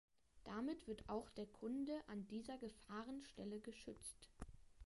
Damit wird auch der Kunde an dieser Gefahrenstelle geschützt.